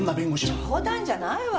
冗談じゃないわよ。